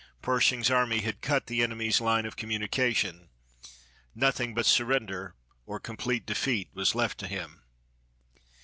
Pershing's army had cut the enemy's line of communication. Nothing but surrender or complete defeat was left to him.